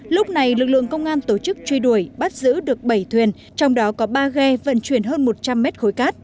lúc này lực lượng công an tổ chức truy đuổi bắt giữ được bảy thuyền trong đó có ba ghe vận chuyển hơn một trăm linh mét khối cát